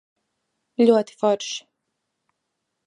Ļoti forši.